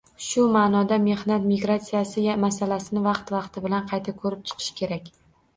Shu ma'noda, mehnat migratsiyasi masalasini vaqti-vaqti bilan qayta ko'rib chiqish kerak